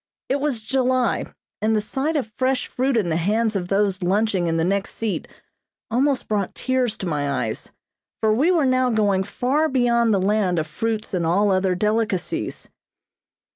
It was July, and the sight of fresh fruit in the hands of those lunching in the next seat almost brought tears to my eyes, for we were now going far beyond the land of fruits and all other delicacies.